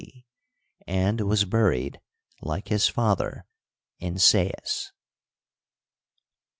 C, and was buried, like his father, in Sais.